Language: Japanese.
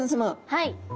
はい。